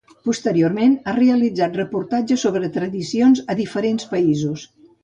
Posteriorment ha realitzat reportatges sobre tradicions a diferents països.